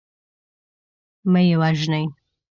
مه یې وژنی.